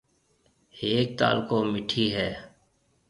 ھيَََڪ تعلقو مٺِي ھيََََ